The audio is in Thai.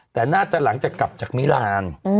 แต่น่าจะหลังจากกลับจากมิลาน